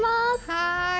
はい。